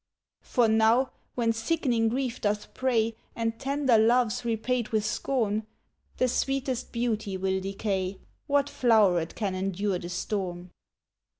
"For know, when sick'ning grief doth prey, And tender love's repaid with scorn, The sweetest beauty will decay, What floweret can endure the storm?